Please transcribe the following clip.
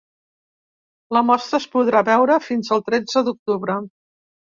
La mostra es podrà veure fins el tretze d’octubre.